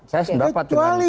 saya dapat dengan fifa ya saya